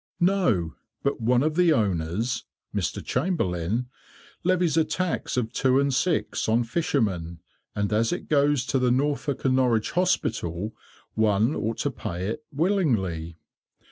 "No; but one of the owners, Mr. Chamberlin, levies a tax of 2s. 6d. on fishermen, and as it goes to the Norfolk and Norwich Hospital, one ought to pay it willingly.